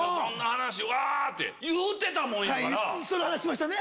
その話しましたね。